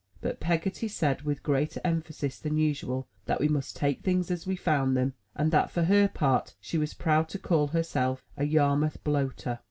But Peggotty said, with greater emphasis than usual, that we must take things as we found them, and that, for her part, she was proud to call herself a Yarmouth Bloater.